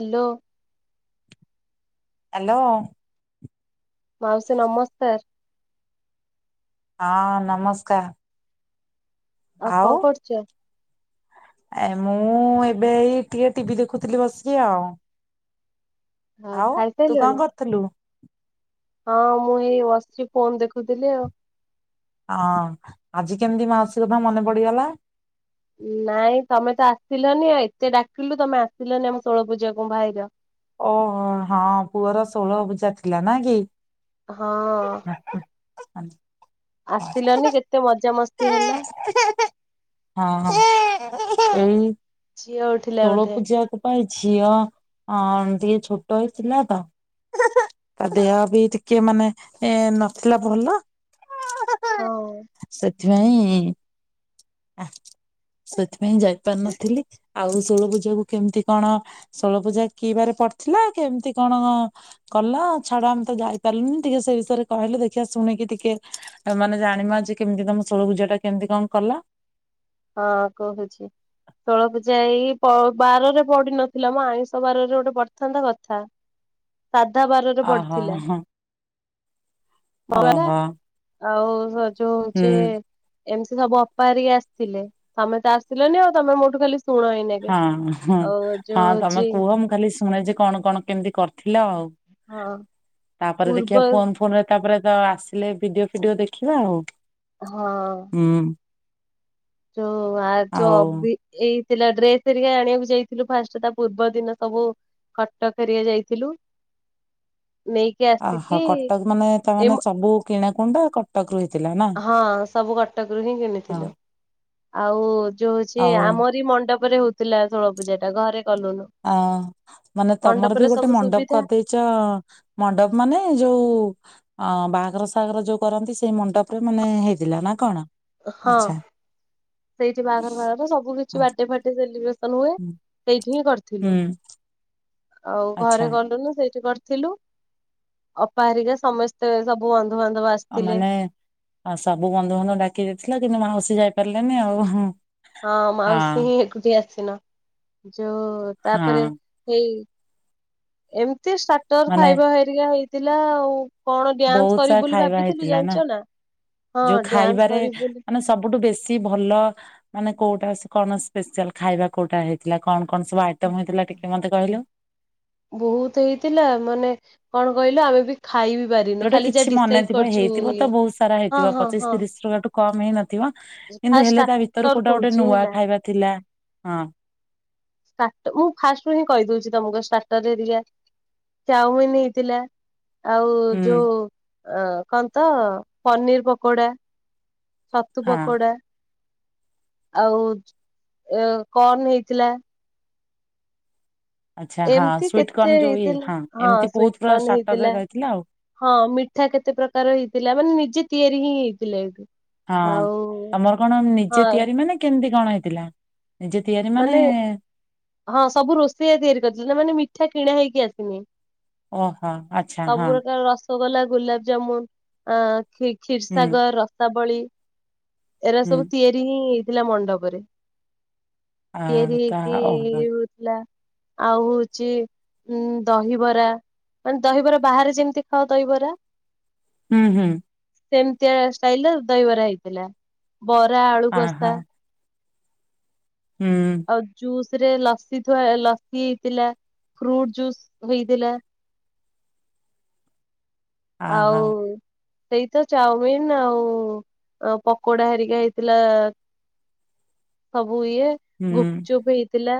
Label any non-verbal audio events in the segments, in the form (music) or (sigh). Hello. Hello. ମାଉସୀ ନମସ୍କାର୍। ହଁ ନମସ୍କାର୍। ଆଉ କଣ୍ କରୁଚ? ଏ ମୁଁ ଏବେ ଏଇ ଟିକେ ଟିଭି ଦେଖୁଥିଲି ବସିକି ଆଉ। ହଁ, ଆଉ ତୁ ଖାଇସାରିଲଣି? କଣ କରୁଥୁଲୁ? ହଁ ମୁଁ ଏଇ ବସିଚି ଫୋନ୍ ଦେଖୁଥିଲି ଆଉ। ହଁ ଆଜି କେମିତି ମାଉସୀ କଥା ମନେ ପଡିଗଲା। ନାଇଁ ତମେ ତ ଆସିଲନି ଆଉ ଏତେ ଡାକିଲୁ ତମେ ଆସିଲନି ଆମ ଷୋଳପୂଜା କୁ ଭାଇର। ଓହୋ ହଁ ପୁଅର ଷୋଳ ପୂଜା ଥିଲା ନା କି? ହଁ। (inaudible) ଆସିଲନି କେତେ ମଜାମସ୍ତି ହେଲା। ହଁ-ଏଇ ଝିଠ ଷୋଳ ପୂଜାକୁ ପାଇଁ ଝିଅ ଅ ଟିକେ ଛୋଟ ହେଇଥିଲା ତ ତା ଦେହ ବି ଟିକେ ମାନେ ଏ ନଥିଲା ଭଲ ହଉ ସେଥିପାଇଁ ସେଥିପାଇଁ ଯାଇପାରନଥିଲି ଆଉ ଷୋଳପୂଜା କ କେମିତି କଣ ଷୋଳ ପୂଜା କିିବାରେ ପଡିଥିଲା କେମିତି କଣ କଲ ଛାଡ ଆମେ ତ ଯାଇପାରିଲୁନି ଟିକେ ସେ ବିଷୟରେ କହିଲୁ ଦେଖିବା ଶୁଣିକି ଟିକେ ଆଉ ମାନେ ଜାଣିମାଆଜି କେମିତି ତମ ଷୋଳପୂଜା ଟା କେମିତି କଣ କଲ। ହଁ କହୁଛି ତୋଳ ପୂଜା ଏଇ ପ ବାରରେ ପଡିିନଥିଲା ମୋ ଆଇଁଷ ବାରରେ ଗୋଟେ ପଡିିଥାନ୍ତା କଥା ସାଧା ବାରରେ ଅହୋ ପଡିଥିଲା ହଁ ମ ଓହୋ ଆଉ ଯୋଉ ହୁଁ ହଉଛି ଏମିତି ସବୁ ଅପାହାରିକି ଆସିଥିଲେ ତମେ ତ ଆସିଲନି ଆଉ ତମେ ମୋଠୁ ଖାଲି ଶୁଣଇନି ହଁ ହଁ ହଁ ତମେ କୁହ ମୁଁ ଖାଲି ଶୁଣେ ଯେ କଣ କଣ କେମିତି କରିଥିଲ ଆଉ ହଁ ତାପରେ ପୂର୍ବ ଦେଖିବା ଫୋନ ଫୋନରେ ତାପରେ ତ ଆସିଲେ ଭିଡିଓ ଫିଡିଓ ଦେଖିବା ଆଉ ହଁ ହୁଁ ଯୋଉ ଆଜ ଆଉ ଅପି ଏଇ ଥିଲା ଡ୍ରେସ ଏରିକା ଆଣିବାକୁ ଯାଇଥିଲୁ ଫାଷ୍ଟ ତା ପୂର୍ବ ଦିନ ସବୁ କଟକରିଆ ଯାଇଥିଲୁ ନେଇକି ଆସିକି ଅହୋ କଟକ ମାନେ ଏ ତାମାନେ ସବୁ କିଣାକୁୁଣ୍ଡ କଟକ ରୁ ହେଇଥିଲା ନା। ହଁ ସବୁ କଟକରୁ ହିଁ ହଁ କିଣିଥିଲୁ। ଆଉ ଯୋଉ ହଉଛି ଆଉ ଆମରି ମଣ୍ଡପରେ ହଉଥିଲା ଷୋଳ ପୂଜା ଟା ଘରେ କଲୁନୁ। ଅ ମାନେ ତମର ମଣ୍ଡପରେ ବି ଗୋଟେ ସବୁ ମଣ୍ଡପ ସୁବିଧା କରିଦେଇ ଜା ମଣ୍ଡପ ମାନେ ଯୋଉ ଅ ବାହାଘର ସାଗର ଯୋଉ କରନ୍ତି ସେଇ ମଣ୍ଡପରେ ମାନେ ହେଇଥିଲା ନା କଣ। ହଁ ଆଚ୍ଛା ସେଇଠି ବାହାଘର ବାଘର ସବୁ କିଛି ହଁ ବାଡେ ଫାଡେ ସେଲିବ୍ରେସନ ହୁଏ। ହୁଁ ସେଇଠିଁ କର ହୁଁ ଆଉ ଆଚ୍ଛା ଘରେ କଲୁନୁ ସେଇଠି କରିଥିଲୁ। ଅପାହାରିକା ସମସ୍ତେ ସବୁ ବନ୍ଧୁବାନ୍ଧବ ଆସ ଆଉ ମାନେ ଆ ସବୁ ବନ୍ଧୁବାନ୍ଧବ ଡାକି ଦେଇଥିଲା କିନ୍ତୁ ମାନେ ମାଉସୀ ଯାଇ ପାରିଲେନି ଆଉ। ହଁ ମାଉସୀ ହିଁ ଏକୁଟିିଆ ଆସିନ ଯଉ ତାପରେ ହଁ ହେଇ ଏମିତି ଷ୍ଟାଟର ମାନେ ଖାଇବା ହେରିକା ହେଇଥିଲା ଆଉ। କଣ ଡ୍ୟାନ୍ସ ବହୁତ କରିବି ସାରା ବୋଲି ଖାଇବା ଭାବୁଥିଲୁ ହେଇଥିଲା ଜାଣିଛ ନା ହଁ ଯୋଉ ଡ୍ୟାନ୍ସ ଖାଇବାରେ କରିବୁ ବୋଲି ମାନେ ସବୁଠୁ ବେଶୀ ଭଲ ମାନେ କୋଉଟା ସ କଣ ସ୍ପେଶାଲ ଖାଇବା କୋଉଟା ହେଇଥିଲା କଣ କଣ ସବୁ ଆଇଟମ ହେଇଥିଲା ଟିକେ ମତେ କହିଲୁ। ବହୁତ ହେଇଥିଲା ମାନେ କଣ କହିଲୁ ଆମେ ବି ଖାଇ ବିି ପାରିନୁ। ଯୋଉଟା ଖାଲି ଯାହା କିଛି ଡିସାଇଡ ମନେଥିବ କରିଛୁ ହେଇଥିବ ତ ଇଏ ବହୁତ ସାରା ହଁ ହେଇଥିବ ହଁ ପଚିଶ ହଁ। ତିରିଶ ପ୍ରକାରଠୁ କମ ହେଇ ନଥିବ ଫାଷ୍ଟ କିନ୍ତୁ ହେଲେ ତା ଭିତରୁ ଷ୍ଟାର୍ଟର କୋଉଟା ଗୋଟେ କହୁଛି ନୂଆ ହେଲା ଖାଇବା ଥିଲା ହଁ। ଷ୍ଟଆଟ ମୁଁ ଫାଷ୍ଟ ରୁ ହିଁ କହିଦଉଛି ତମକୁ ଷ୍ଟାର୍ଟରେ ଏରିଆ ଚାଉମିିନ ହେଇଥିଲା। ଆଉ ହୁଁ ଯୋଉ ଅ କଣତ ପନିର ପକୋଡା। ଛତୁ ହଁ। ପକୋଡ଼ା। ଆଉ କର୍ନ ହେଇଥିଲା। ଆଚ୍ଛା ହଁ ଏମିତି ସୁଇଟ କେତେ କର୍ଣ୍ଣ ଯୋଉ ଇଏ ହେଇଥିଲା ହଁ ଏମିତି ବହୁତ ପୁରା ସୁଟକଣ ଷ୍ଟାର୍ଟରରେ ହେଇଥିଲା। ରହିଥିଲା ଆଉ ହଁ ମିଠା କେତେ ପ୍ରକାର ହେଇଥିଲା ମାନେ ନିଜେ ତିଆରି ହିଁ ହେଇଥିଲା ଏଇଠୁ। ହଁ ଆଉ ତମର କଣ ନିଜେ ହଁ ତିଆରି ମାନେ କେମିତି କଣ ହେଇଥିଲା। ନିଜେ ତିଆରି ମାନେ ହଁ ସବୁ ରୋଷେଇଆ ତିଆରି କରିଛନ୍ତି ନା ମାନେ ମିଠା କିଣା ହେଇକି ଆସିନି। ଓହୋ ଆଚ୍ଛା ସବୁ ହଁ ପ୍ରକାର ରସଗୋଲା ଗୋଲାପଜାମୁନ ଆ ଖିକ ହୁଁ କ୍ଷୀରସାଗର ରସାବଳୀ ଏରା ହୁଁ। ସବୁ ତିଆରି ହିଁ ହେଇଥିଲା ମଣ୍ଡପରେ। ତିଆରି ହେଇକିି ଆଉ ହଉଚି ଉଁ ଦହିବରା। ମାନେ ଦହିବରା ବାହାରେ ଯେମିତି ଖାଅ ଦହିବରା। ହୁଁ ହୁଁ। ସେମିତିଆ ଷ୍ଟାଇଲର ଦହିବରା ହେଇଥିଲା ବରା ଆଳୁ ଆହା କଷା। ହୁଁ। ଜୁସ ରେ ଲସି ଥୁଆ ଲସି ହେଇଥିଲା ଫ୍ରୁଟ ଜୁସ୍ ହେଇଥିଲା। ଆହା ଆଉ ସେଇ ତ ଚାଉମିିନ ଆଉ ପକୋଡା ହେରିକା ହେଇଥିଲା। ସବୁ ଇଏ ହୁଁ, ଗୁପଚୁପ ହେଇଥିଲା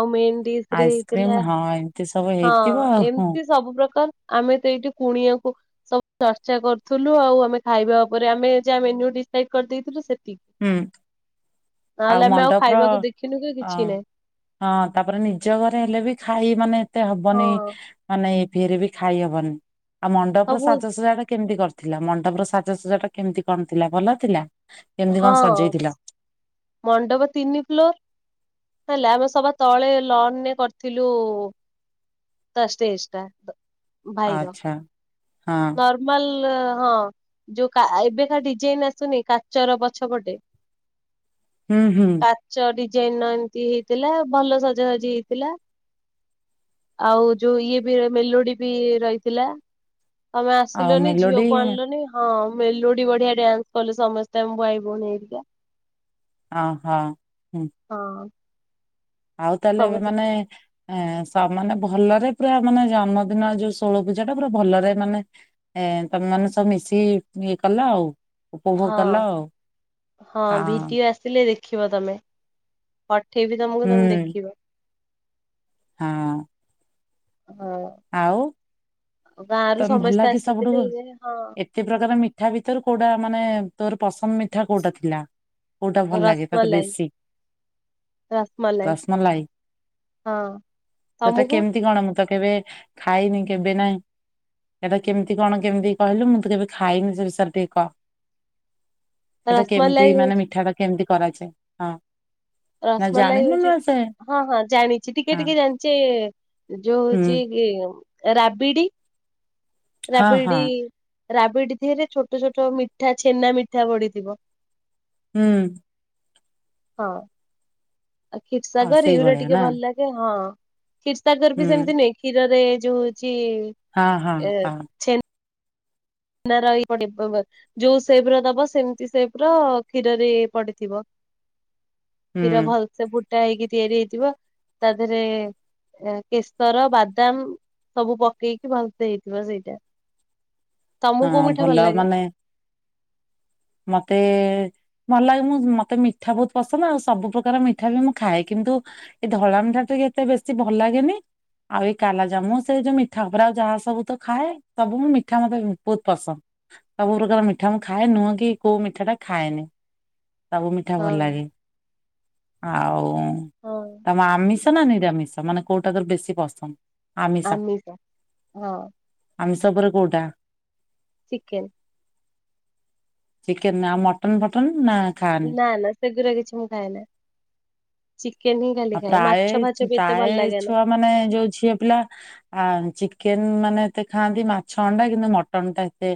ଆଉ ମେନ୍ ଡିସରେ ଆଇସ୍କ୍ରିମ୍ ହେଇଥିଲା। ହଁ ଏମିତି ସମ ହଁ ଏମତି ସବୁ ପ୍ରକାର ଆମେ ତ ଏଇଠି କୁଣିଆକୁ ସବୁ ଚର୍ଚ୍ଚା କରୁଥିଲୁ ଆଉ ଆମେ ଖାଇବା ଉପରେ ଆମେ ଯାହା ମେନୁ ଡିସାଇଡ କରିଦେଇଥିଲୁ ସେତିକି। ହୁଁ ଆଉ ନହେଲେ ଆମେ ମଣ୍ଡପର ଖାଇବାକୁ ଦେଖିନୁ କି ଅ କିଛି ନାହିଁ ହଁ ତାପରେ ନିଜ ଘରେ ହେଲେ ବି ଖାଇ ମାନେ ଏତେ ହବନି ହଁ ମାନେ ଫିରବି ଖାଇହବନି ଆଉ ମଣ୍ଡପ ର ସବୁ ସାଜସଜା ଟା କେମିତି କରିଥିଲ? ଥିଲା ମଣ୍ଡପର ସାଜସଜା ଟା କେମତି କଣ ଥିଲା ଭଲ ଥିଲା। କେମିତି ହଁ କଣ ସଜେଇଥିଲ? ମଣ୍ଡପ ତିନି ଫ୍ଲୋର। ହେଲା ଆମେ ସଭା ତଳେ ଲନରେ କରିଥିଲୁ ତା ଷ୍ଟେଜ ଟା। ଆଛା ହଁ। ଫର୍ମାଲ ହଁ ଯୋଉ ଏବେକା ଡିଜାଇନ ଆସୁନି କାଚର ପଛପଟେ। (inaudible) ହୁଁ ହୁଁ। କାଚ ଡିଜାଇନର ଏମିତି ହେଇଥିଲା ଭଲ ସଜାସଜି ହେଇଥିଲା। ଆଉ ଯୋଉ ଇଏ ବି ମେଲୋଡି ବି ରହିଥିଲା। ତମେ ଆଉ ଆସିଲନି ମେଲୋଡି ଝିଅକୁ ଆଣିଲନି। ହଁ ମେଲୋଡି ବଢିଆ ଡ୍ୟାନ୍ସ କଲୁ ସମସ୍ତେ ଆମ ଭାଇ ଭଉଣୀ ଏରିକା। ଓହୋ। ହଁ। ଆଉ ତାହେଲେ ଏବେ ସମସ୍ତେ ମାନେ ହଁ ମାନେ ଭଲରେ ପୁରା ମାନେ ଜନ୍ମଦିନ ଯୋଉ ଷୋଳ ପୂଜା ଟା ପୁରା ଭଲରେ ମାନେ ଏ ତମେ ମାନେ ସବୁ ମିଶିକି ଇଏ କଲ ଆଉ। ଉପଭୋଗ ହଁ କଲ ଆଉ ହଁ। ଆସିଲେ ଦେଖିବ ତମେ ପଠେଇବି ତମକୁ ହଁ ତମେ ହୁଁ ଦେଖିବ। ହଁ। ହଁ ଆଉ ଗାଁରୁ ତମେ ଭଲ ସମସ୍ତେ ଲାଗେ ସବୁଠୁ ଆସିଥିଲେ ଯେ ହଁ। ଏତେ ପ୍ରକାର ମିଠା ଭିତରୁ କୋଉଟା ମାନେ ତୋର ପସନ୍ଦ ମିଠା କୋଉଟା ଥିଲା? କୋଉଟା ଭଲ ଲାଗେ ତତେ ରସମଲାଇ ବେଶୀ? ରସମଲାଇ ରସ୍ମଲାଇ। ହଁ ସେଟା ତମକୁ କେମିତି କଣ ମୁଁ ତ କେବେ ଖାଇନି କେବେ ନାହିଁ। ସେଟା କେମିତି କଣ କେମିତି କହିଲୁ ମୁଁ ତ କେବେ ଖାଇନି ସେ ବିଷୟରେ ଟିକେ କହ। ସେଟା କେମିତି ରସମଲାଇ ମାନେ ହଉଛି ମିଠା ଟା କେମିତି କରାଯାଏ? ହଁ। ନା ରସ୍ମଲାଇ ଜାଣିନୁ ହଉଚି। ନା ସେ ହଁ ହଁ ଜାଣିଚି। ଟିକେ ହଁ ଟିକେ ଜାଣିଚି ଯୋଉ ହୁଁ ହଉଚି ରାବିଡି ହଁ ହଁ ରାବିଡି ରାବିଡି ଦିହେରେ ଛୋଟ ଛୋଟ ମିଠା ଛେନା ମିଠା ପଡିଥିବ। ହୁଁ। ହଁ। ଆଉ କ୍ଷୀର୍ ଆଉ ସାଗର ଏଇରା ସେଇଭଳିଆ ଟିକେ ନା ଭଲ ଲାଗେ ହଁ କ୍ଷୀର୍ ସାଗର ହୁଁ ବି ସେମିତି ନାଇଁ? କ୍ଷୀରରେ ଯୋଉ ହଉଚି। ହଁ ହଁ, ହଁ। ଛେନା ରହି ପଡିବ ଯୋଉ ସେପ୍ ର ଦବ ସେମିତି ସେପ୍ ର କ୍ଷୀରରେ ପଡିଥିବ। ହୁଁ କ୍ଷୀର ଭଲ୍ସେ ଫୁଟା ହେଇକି ତିଆରି ହେଇଥିବ ତା ଦେଏରେ ଅଁ କେଶର ବାଦାମ୍ ସବୁ ପକେଇକି ଭଲ୍ସେ ହେଇଥିବ ସେଇଟା। ତମକୁ ହଁ କୋଉ ମିଠା ଭଲ ଲାଗେ? ମାନେ ମତେ ଭଲ ଲାଗେ ମୁଁ ମତେ ମିଠା ବହୁତ୍ ପସନ୍ଦ ଆଉ ସବୁ ପ୍ରକାର ମିଠା ବି ମୁଁ ଖାଏ। କିନ୍ତୁ ଏଇ ଧଳାମିଠା ଟିକେ ଏତେ ବେଶୀ ଭଲ ଲାଗେନି। ଆଉ ଏଇ କାଲା ଜାମୁ ସେଇ ଯୋଉ ମିଠା ଉପରେ ଆଉ ଯାହା ସବୁ ତ ଖାଏ ସବୁ ମୁଁ ମିଠା ମତେ ବହୁତ୍ ପସନ୍ଦ। ସବୁ ପ୍ରକାର ମିଠା ମୁଁ ଖାଏ। ନୁହଁ କି କି କୋଉ ମିଠା ଟା ଖାଏନି ସବୁ ମିଠା ଭଲ ହଁ ଲାଗେ। ଆଉ ହଁ ତମେ ଆମିଷ ନା ନିରାମିଷ ମାନେ କୋଉଟା ତୋର ବେଶୀ ପସନ୍ଦ୍? ଆମିଷ। ହଁ ଆମିଷ ଉପରେ କୋଉଟା? ଚିକେନ୍। ଚିକେନ ନା, ଆଉ ମଟନ୍ ଫଟନ୍ ନା ଖାଆନି? ନା ନା ସେଗୁରା କିଛି ମୁଁ ଖାଏ ନା। ଚିକେନ୍ ହିଁ ଖାଲି ଆଉ ଖାଏ, ପ୍ରାୟ ମାଛ ଫାଛ ବି ଏତେ ପ୍ରାୟ ଭଲ ଲାଗେ ନା। ଛୁଆ ମାନେ ଯୋଉ ଝିଅ ପିଲା ଆ ଚିକେନ୍ ମାନେ ଏତେ ଖାଆନ୍ତି ମାଛ ଅଣ୍ଡା କିନ୍ତୁ ମଟନ୍ ଟା ଏତେ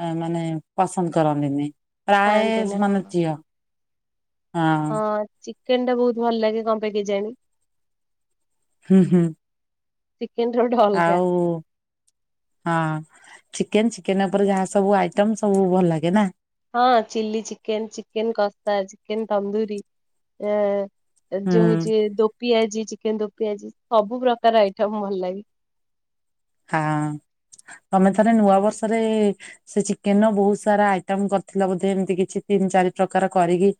ଅ ମାନେ ପସନ୍ଦ କରନ୍ତିନି ପ୍ରାୟେ ଖାଆନ୍ତିନି ହଁ ମାନେ ଝିଅ। ହଁ ଚିକେନ୍ ଟା ବହୁତ୍ ଭଲ ଲାଗେ କଣ ପାଇଁ କେଜାଣି? ହୁଁ ହୁଁ। ଚିକେନ୍ ଝୋଡ। ଆଉ ହଁ। ଚିକେନ୍ ଚିକେନ ଉପରେ ଯାହା ସବୁ ଆଇ ଆଇଟମ୍ ସବୁ ଭଲ ଲାଗେ ନା? ହଁ ଚିଲ୍ଲି ଚିକେନ୍ ଚିକେନ୍ କସା ଚିକେନ ତନ୍ଦୁରି ଏଁ ହୁଁ ଯୋଉ ହଉଚି ଦୋ ପିଆଜି ଚିକେନ୍ ରପିଆଜି ସବୁ ପ୍ରକାର ଆଇଟମ୍ ଭଲ ଲାଗେ। ହଁ। ତମେ ଥରେ ନୂଆ ବର୍ଷରେ ସେ ଚିକେନ୍ ର ବହୁ ସାରା ଆଇଟମ୍ କରିଥିଲ ବୋଧେ ଏମିତି କିଛି ତିନି ଚାରି ପ୍ରକାର କରିକି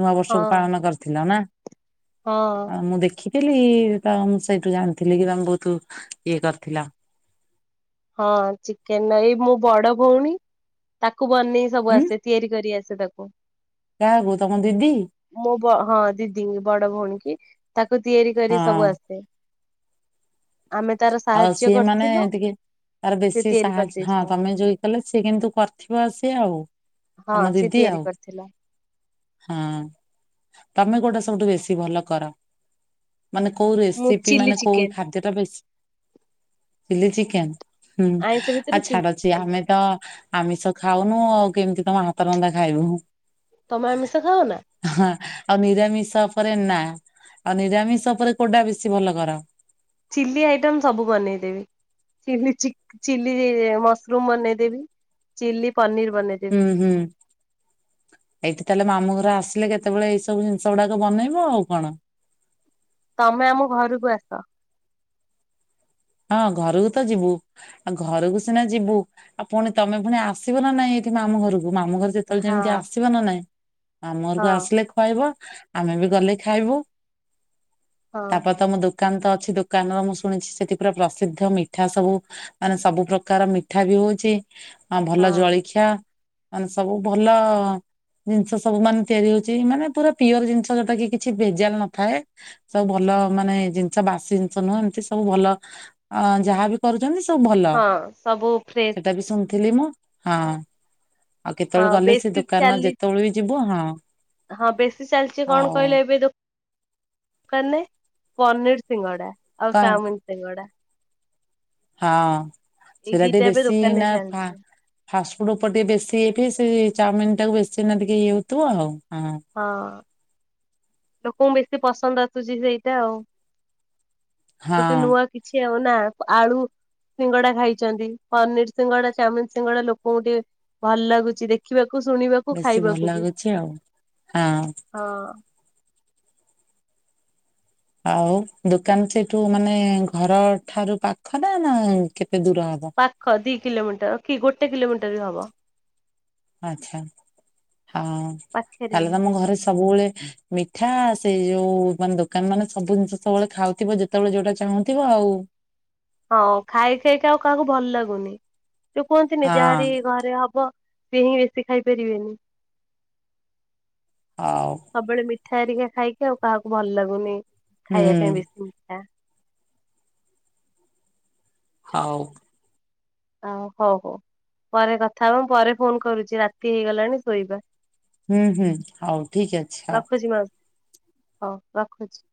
ନୂଆ ବର୍ଷକୁ ହଁ ପାଳନ କରିଥିଲ ନା? ହଁ ମୁଁ ଦେଖି ଖିଥିଲି। ତ ମୁଁ ସେଇଠୁ ଜାଣିଥିଲି କି ତମେ ବହୁତ୍ ଇଏ କରିଥିଲ। ହଁ ଚିକେନ୍ ନ ଏଇ ମୋ ବଡ ଭଉଣୀ ତାକୁ ବନେଇ ସବୁ ହୁଁ ଆସେ। ତିଆରି କରି ଆସେ ତାକୁ। କାହାକୁ ତମ ଦିଦି? ମୋ ବ ହଁ ଦିଦିଙ୍କି ବଡ ଭଉଣୀ କି ତାକୁ ତିଆରି କରି ହଁ ସବୁ ଆସେ। ଆମେ ତାର ଆଉ ସାହାଯ୍ୟ ସିଏ ମାନେ କରିଥିଲୁ। ଟିକେ ତାର ସେ ବେଶୀ ତିଆରି ସାହାଯ୍ୟ ହଁ କରିଦେଇଥିଲା ତମେ ଯୋଉ ଇଏ କଲ ସିଏ କିନ୍ତୁ କରିଥିବ ଆସ ଆଉ। ହଁ ତମ ସେ ଦିଦି ତିଆରି ଆଉ। କରିଥିଲା ହୁଁ ତମେ କୋଉଟା ସବୁଠୁ ବେଶୀ ଭଲ କର? ମାନେ କୋଉ ମୁଁ ରେସିପି ଚିଲି ମାନେ କୋଉ ଚିକେନ ଖାଦ୍ୟ ଟା ବେଶୀ ଚିଲ୍ଲି ଚିକେନ୍ ହୁଁ ଆଇଁଷ ଭିତରେ ଆଉ ଚିଲି ଛାଡ ଅଛି ଚିକେନ ଆମେ ଖାଏ। ତ ଆମିଷ ଖାଉନୁ ଆଉ କେମିତି ତମ ହାତ ରନ୍ଧା ଖାଇବୁ। ତମେ ଆମିଷ ଖାଅ ନା? ହଁ ଆଉ ନିରାମିଷ ଉପରେ ନା ଆଉ ନିରାମିଷ ଉପରେ କୋଉଟା ବେଶୀ ଭଲ କର? ଚିଲ୍ଲି ଆଇଟମ୍ ସବୁ ବନେଇଦେବି। ଚିଲ୍ଲି ଚିକ୍ ମସରୁମ୍ ବନେଇଦେବି ଚିଲ୍ଲି ପନିର୍ ବନେଇଦେବି। ହୁଁ ହୁଁ। ଏଇଠି ତାହେଲେ ମାମୁଁ ଘର ଆସିଲେ କେତେବେଳେ ଏଇ ସବୁ ଜିନିଷ ଗୁଡାକ ବନେଇବ ଆଉ କଣ। ତମେ ଆମ ଘରକୁ ଆସ। ହଁ ଘରୁକୁ ତ ଯିବୁ ଆଉ ଘରକୁ ସିନା ଯିବୁ ଆଉ ପୁଣି ତମେ ପୁଣି ଆସିବ ନା ନାଇଁ ଏଇଠି ମାମୁଁ ଘରକୁ ମାମୁଁ ଘର ଯେତେବେଳେ ହଁ ଯେମିତି ଆସିବ ନା ନାଇଁ ମାମୁଁ ହଁ ଘରକୁ ଆସିଲେ ଖାଇବ ଆମେ ବି ଗଲେ ଖାଇବୁ ହଁ ତାପରେ ତମ ଦୁ ଦୋକାନ ତ ଅଛି ଦୋକାନ ମୁଁ ଶୁଣିଛି ସେଠି ପୁରା ପ୍ରସିଦ୍ଧ ମିଠା ସବୁ ମାନେ ସବୁ ପ୍ରକାର ମିଠା ବି ହଉଛି। ଆ ଭଲ ହଁ ଜଳଖିଆ ମାନେ ସବୁ ଭଲ ଜିନିଷ ସବୁ ମାନେ ତିଆରି ହଉଚି ମାନେ ପୁରା ପିଓର ଜିନିଷ ଯୋଉଟା କି କିଛି ଭେଜାଲ ନଥାଏ। ସବୁ ଭଲ ମାନେ ଜିନିଷ ବାସି ଜିନିଷ ନୁହେଁ ଏମିତି ସବୁ ଭଲ ଆ ଯାହାବି କରୁଛନ୍ତି ସବୁ ଭଲ। ହଁ ସବୁ ଫ୍ରେ ସେଇଟା ବି ଶୁଣିଥିଲି ମୁଁ ହଁ ଆଉ ହଁ କେତେବେଳେ ଗଲେ ସେ ବେଶୀ ଦୋକାନ ଚାଲି ଯେତେବେଳେ ବି ଯିବୁ ହଁ। ହଁ ବେଶୀ ଚାଲିଛି କଣ ଆଉ କହିଲେ ଏବେ ଦୋ କାନ ରେ ପନିର୍ ସିଙ୍ଗଡା ଆଉ କଣ ଚାଉମିନ୍ ସିଙ୍ଗଡା। ହଁ ଏଇ ସେଟା ଟିକେ ଦିଟା ଏବେ ବେଶୀ ଦୋକାନରେ ନା ଫା ଚାଲିଛି। ଫାଷ୍ଟ ଫୁଡ୍ ଉପରେ ଟିକେ ବେଶୀ ହେଇିଥାଏ ସେ ଚାଉମିନ୍ ଟାକୁ ବେଶୀ ଟିକେ ଇଏ ହଉଥିବ ଆଉ ହଁ। ହଁ ଲୋକଙ୍କୁ ବେଶୀ ପସନ୍ଦ ଆସୁଛି ସେଇଟା ଆଉ। ଗୋଟେ ହଁ ନୂଆ କିଛି ଆଉ ନା ଆଳୁ ସିଙ୍ଗଡା ଖାଇଛନ୍ତି ପନିର୍ ସିଙ୍ଗଡା ଚାଉମିିନ୍ ସିଙ୍ଗଡା ଲୋକଙ୍କୁ ଟିକେ ଭଲ ଲାଗୁଛି ଦେଖ୍ ଦେଖିବାକୁ ଶୁଣିବାକୁ ବେଶୀ ଖାଇବାକୁ। (unintelligible) ହଁ। ହଁ। ଆଉ ଦୋକାନ ସେଠୁ ମାନେ ଘର ଠାରୁ ପାଖ ନା ନା କେତେ ଦୂର ହବ? ପାଖ ଦି କିଲୋମିଟର କି ଗୋଟେ କିଲୋମିଟର ବି ହବ। ଆଚ୍ଛା ହଁ ପାଖରେ ତାହାଲେ ହିଁ। ତମ ଘରେ ସବୁବେଳେ ମିଠା ସେ ଯୋଉ ମାନେ ଦୋକାନ ମାନେ ସବୁ ଜିନିଷ ସବୁବେଳେ ଖାଉଥିବ ଯେତେବେଳେ ଯୋଉଟା ଚାହୁଁଥିବ ଆଉ। ହଁ ଖାଇ ଖାଇକା ଆଉ କାହାକୁ ଭଲ ଲାଗୁନି, ଯୋଉ କୁହନ୍ତିନି ହଁ ଯାହାରି ଭା ସିଏ ହବ ସିଏ ହିଁ ବେଶୀ ଖାଇପାରିବେନି। ଆଉ ସବୁବେଳେ ମିଠା ଏରିକା ଖାଇକି ଆଉ କାହାକୁ ଭଲ ଲାଗୁନି ହୁଁ ଖାଇବା ପାଇଁ ବେଶୀ ମିଠା। ହଉ। ଆ, ହଉ ହଉ ପରେ କଥା ହବ ମୁଁ ପରେ ଫୋନ୍ କରୁଚି, ରାତି ହେଇଗଲାଣି ଶୋଇବା। ହୁଁ, ହୁଁ ହଉ ଠିକ ଅଛି ହଉ। ରଖୁଛି ମାଉସୀ ହଉ ରଖୁଛି।